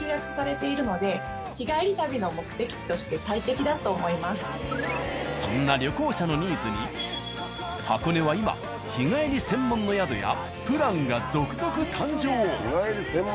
地元の美味しいそんな旅行者のニーズに箱根は今日帰り専門の宿やプランが続々誕生。